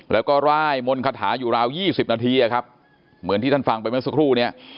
แล้วก็ร่ายมนต์คาถาอยู่ราว๒๐นาทีอะครับเหมือนที่ท่านฟังไปเมื่อสักครู่เนี่ย